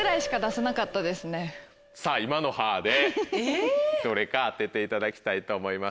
さぁ今の「はぁ」でどれか当てていただきたいと思います。